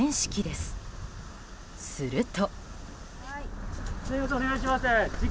すると。